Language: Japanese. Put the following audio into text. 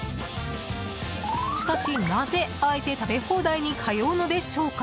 しかし、なぜあえて食べ放題に通うのでしょうか。